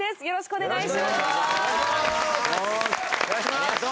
よろしくお願いします。